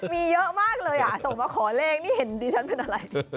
มีเยอะมากเลยอ่ะส่งมาขอเลขนี่เห็นดิฉันเป็นอะไร